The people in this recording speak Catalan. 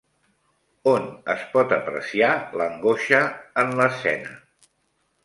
On es pot apreciar l'angoixa en l'escena?